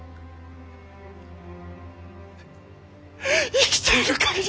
生きている限り。